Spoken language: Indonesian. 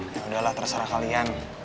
ya udahlah terserah kalian